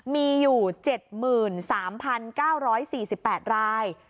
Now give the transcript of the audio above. มีอยู่๗๓๙๔๘ราย